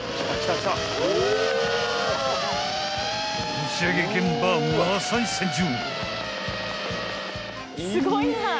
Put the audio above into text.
［打ち上げ現場はまさに戦場］